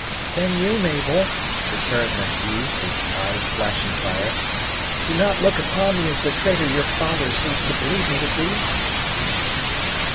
"Then you, Mabel," returned the youth, his eyes flashing fire, "do not look upon me as the traitor your father seems to believe me to be?"